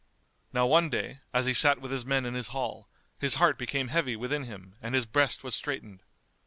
Now one day, as he sat with his men in his hall, his heart became heavy within him and his breast was straitened.